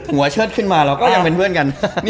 เชิดขึ้นมาเราก็ยังเป็นเพื่อนกัน